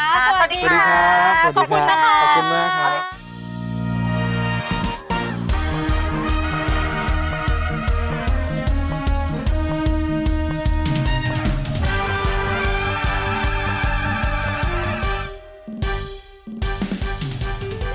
สวัสดีค่ะขอบคุณนะคะ